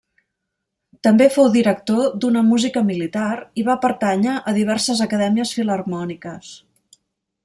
També fou director d'una música militar, i va pertànyer a diverses acadèmies filharmòniques.